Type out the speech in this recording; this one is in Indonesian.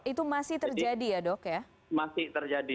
itu masih terjadi ya dok ya